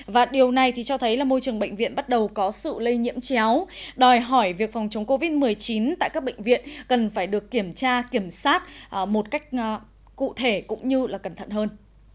và điều này cho thấy môi trường bệnh viện bắt đầu có sự lây nhiễm chéo đòi hỏi việc phòng chống covid một mươi chín tại các bệnh viện cần phải được kiểm tra kiểm soát một cách cụ thể cũng như cẩn thận hơn